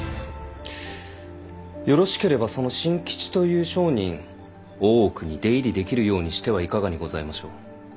よろしければその進吉という商人大奥に出入りできるようにしてはいかがにございましょう？